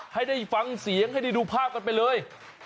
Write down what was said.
ให้ได้ฟังเสียงให้ได้ดูภาพกันไปเลย